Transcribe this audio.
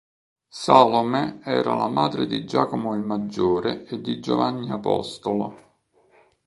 Salome era la madre di Giacomo il maggiore e di Giovanni apostolo.